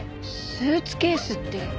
スーツケースって。